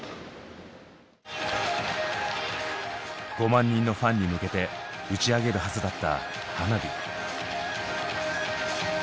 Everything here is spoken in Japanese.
５万人のファンに向けて打ち上げるはずだった花火。